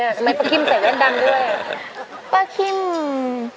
ทำไมป้าคิมใส่แว่นดำด้วย